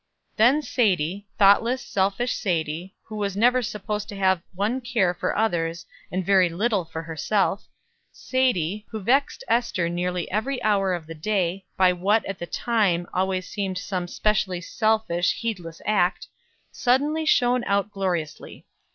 Then Sadie, thoughtless, selfish Sadie, who was never supposed to have one care for others, and very little for herself Sadie, who vexed Ester nearly every hour in the day, by what, at the time, always seemed some especially selfish, heedless act suddenly shone out gloriously.